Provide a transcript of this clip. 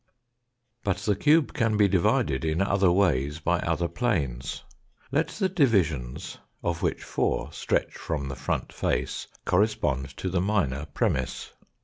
But the cube can be divided in other ways by other planes. Let the divisions, of which four stretch from the front face, correspond to the minor premiss.